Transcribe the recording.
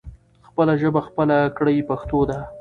خپله ژبه خپله کړې پښتو ده.